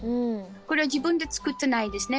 これは自分で作ってないですね。